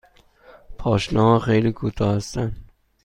پاشنه ها خیلی کوتاه هستند.